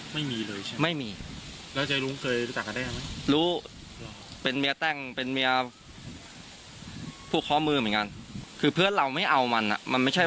ไม่มีเลยไม่มีรู้เป็นเมียแต้งเป็นเมียผู้ข้อมือเหมือนกันคือเพื่อนเราไม่เอามันน่ะมันไม่ใช่